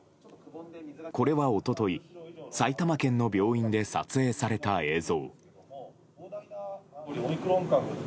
これは一昨日、埼玉県の病院で撮影された映像。